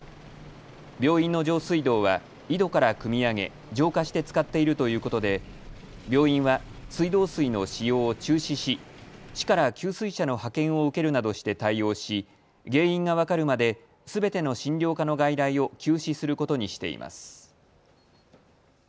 病院の上水道は井戸からくみ上げ、浄化して使っているということで病院は水道水の使用を中止し市から給水車の派遣を受けるなどして対応し原因が分かるまで、すべての診療科の外来を休止することにしています。